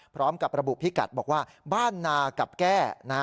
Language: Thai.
พร้อมกับระบุพิกัดบอกว่าบ้านนากับแก้